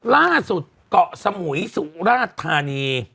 ล่าสุดเกาะสมุยสุราชธานี